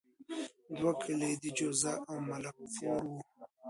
دوه کلي د جوزه او ملک پور وو.